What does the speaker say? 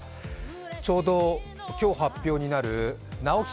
ちょうど、今日発表になる直木賞。